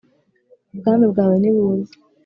Ubwami bwawe nibuze